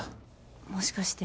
もしかして。